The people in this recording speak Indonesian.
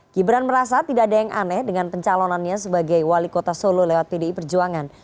gibran merasa tidak ada yang aneh dengan pencalonannya sebagai wali kota solo lewat pdi perjuangan